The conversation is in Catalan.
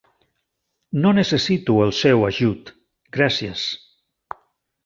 No necessito el seu ajut, gràcies.